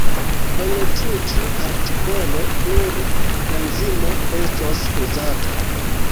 En tiu ĉi artikolo nur enzimo estos uzata.